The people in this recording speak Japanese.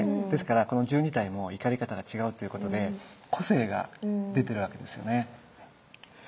ですからこの１２体も怒り方が違うっていうことで個性が出てるわけですよね。